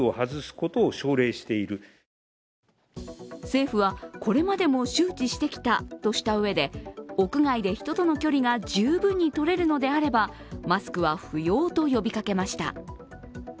政府はこれまでも周知してきたとしたうえで屋外で人との距離が十分にとれるのであればマスクは不要と呼びかけました。